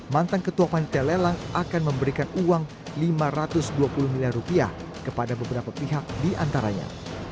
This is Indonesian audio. mantan ketua panitia lelang akan memberikan uang lima ratus dua puluh miliar rupiah kepada beberapa pihak diantaranya